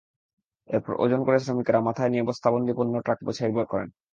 এরপর ওজন করে শ্রমিকেরা মাথায় নিয়ে বস্তাবন্দী পণ্য ট্রাকে বোঝাই করেন।